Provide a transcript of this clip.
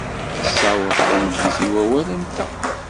Nessaweḍ tameddit i wawal-nteɣ.